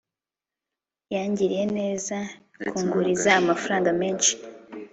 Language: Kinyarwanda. yangiriye neza kunguriza amafaranga menshi